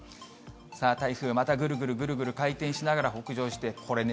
台風、またぐるぐるぐるぐる回転しながら北上して、これね、